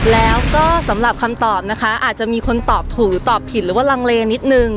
แล้วก็สำหรับคำตอบอาจจะมีคนตอบถูกตอบผิดหรือว่าที่กล่องเล้วนิดนึง